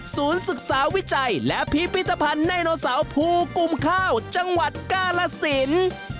ศึกษาวิจัยและพิพิธภัณฑ์ไดโนเสาร์ภูกุมข้าวจังหวัดกาลสิน